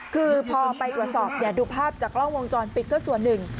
คือพอไปตรวจสอบดูภาพจากกล้องวงจรปิดก็ส่วนหนึ่ง